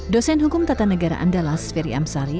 dosen hukum tata negara andalas ferry amsari